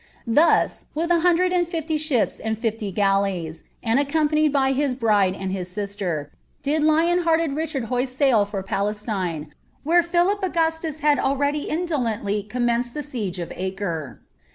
Thus, with a hundred and My sliips and lifty gal leys, and aecompanied by his bride and his sister, did Lion^auud Itiehard hoist sail for Pnlesiinei where Pliilip Auguetus had itlicady iaJo lently commenced the si^ of Acre.